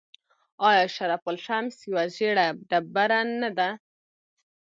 آیا شرف الشمس یوه ژیړه ډبره نه ده؟